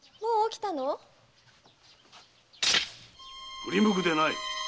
振り向くでない！